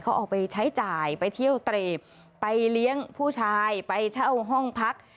เขาเอาไปใช้จ่ายไปเที่ยวเตรปไปเลี้ยงผู้ชายไปเช่าห้องพัก